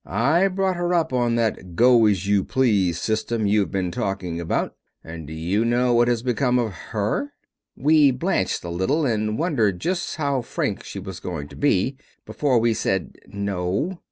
I brought her up on that go as you please system you have been talking about, and do you know what has become of her?" We blanched a little and wondered just how frank she was going to be before we said "No."